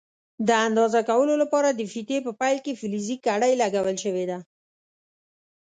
د اندازه کولو لپاره د فیتې په پیل کې فلزي کړۍ لګول شوې ده.